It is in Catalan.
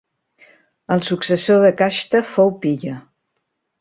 El successor de Kashta fou Piye.